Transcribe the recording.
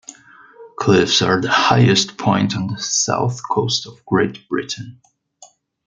The cliffs are the highest point on the south coast of Great Britain.